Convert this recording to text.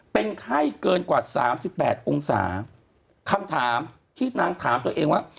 เป็นไข้เกินกว่าสามสิบแปดองศาคำถามที่นางถามตัวเองว่า